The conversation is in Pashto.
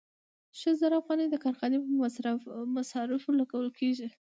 شل زره افغانۍ د کارخانې په مصارفو لګول کېږي